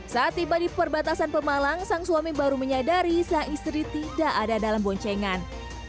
saat tiba di perbatasan pemalang sang suami baru menyadari sang istri tidak ada dalam boncengan